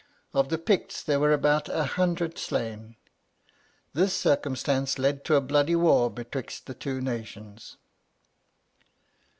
Of the Picts there were about an hundred slaine. This circumstance led to a bloody war betwixt the two nations."